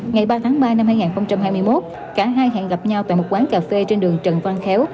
ngày ba tháng ba năm hai nghìn hai mươi một cả hai hẹn gặp nhau tại một quán cà phê trên đường trần văn khéo